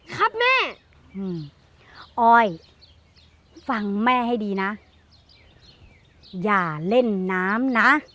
ครับแม่อ้อยฟังแม่ให้ดีนะอย่าเล่นน้ำนะ